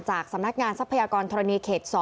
จากสำนักงานทรัพยากรมิเข็ต๒